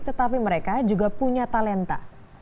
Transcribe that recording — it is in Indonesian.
tetapi mereka juga punya talenta